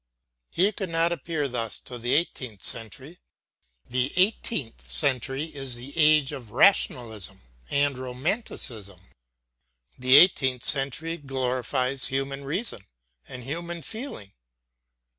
He could not appear thus to the eighteenth century. The eighteenth century is the age of Rationalism and of Romanticism. The eighteenth century glorifies human reason and human feeling.